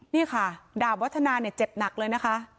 นี่ค่ะดาบวัฒนาเนี่ยเจ็บหนักเลยนะคะ